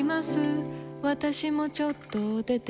私もちょっと出ています。